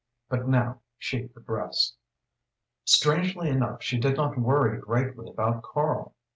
But now she could rest. Strangely enough she did not worry greatly about Karl.